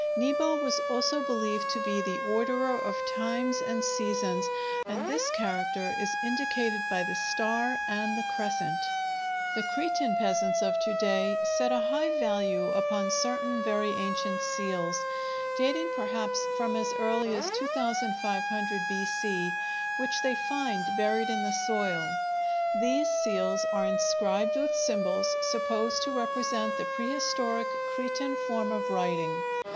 Nebo was also believed to be the orderer of times and seasons, and this character is indicated by the star and the crescent. The Cretan peasants of to day set a high value upon certain very ancient seals—dating perhaps from as early as 2500 B.C.—which they find buried in the soil. These seals are inscribed with symbols supposed to represent the prehistoric Cretan form of writing.